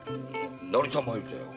成田参りだよ。